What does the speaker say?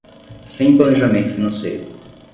Sem planejamento financeiro